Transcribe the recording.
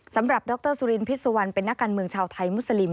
สำหรับดรสุรินพิษสุวรรณเป็นนักการเมืองชาวไทยมุสลิม